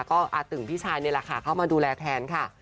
ก็อาตึงพี่ชายนี่แหละค่ะเข้ามาดูแลแทนค่ะ